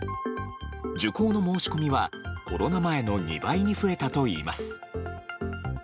受講の申し込みは、コロナ前の２倍に増えたといいます。